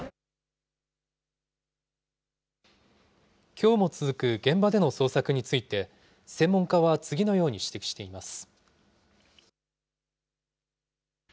きょうも続く現場での捜索について、専門家は次のように指摘しています。